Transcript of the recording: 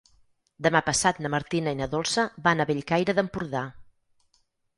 Demà passat na Martina i na Dolça van a Bellcaire d'Empordà.